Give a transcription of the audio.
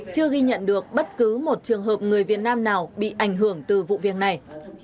chưa ghi nhận được bất cứ một trường hợp người việt nam nào bị ảnh hưởng từ vụ việc này